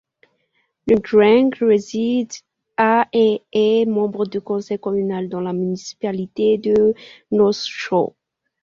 Lundgren réside à et est membre du conseil communal dans la municipalité de Gnosjö.